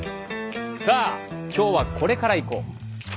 さあ今日はこれからいこう。